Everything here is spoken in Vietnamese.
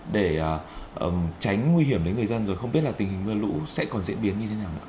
để tránh nguy hiểm đến người dân rồi không biết là tình hình mưa lũ sẽ còn diễn biến như thế nào nữa